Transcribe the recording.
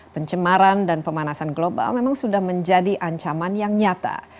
pencemaran dan pemanasan global memang sudah menjadi ancaman yang nyata